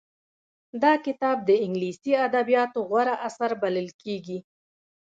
دا کتاب د انګلیسي ادبیاتو غوره اثر بلل کېږي